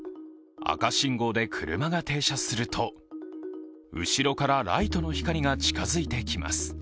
赤信号で車が停車すると後ろからライトの光が近づいてきます。